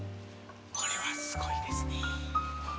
これはすごいですね。